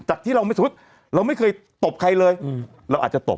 จากที่เราไม่สมมุติเราไม่เคยตบใครเลยเราอาจจะตบ